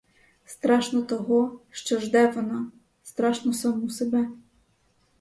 Страшно того, що жде вона, страшно саму себе.